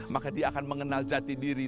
maka dia akan mengenal jati diri